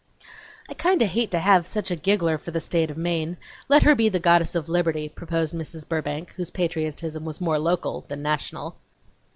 "I kind o' hate to have such a giggler for the State of Maine; let her be the Goddess of Liberty," proposed Mrs. Burbank, whose patriotism was more local than national.